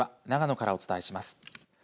長野からお伝えします。